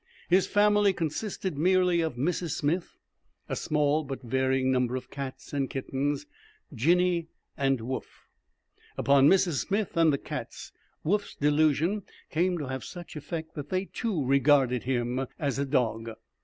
His family consisted merely of Mrs. Smith, a small but varying number of cats and kittens, Jinny, and Woof. Upon Mrs. Smith and the cats Woof's delusion came to have such effect that they, too, regarded him as a dog.